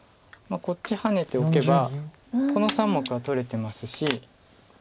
こっちハネておけばこの３目は取れてますし。